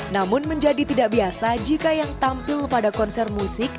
namun menjadi tidak biasa jika yang tampil pada konser musik